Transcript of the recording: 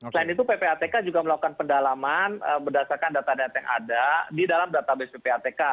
selain itu ppatk juga melakukan pendalaman berdasarkan data data yang ada di dalam database ppatk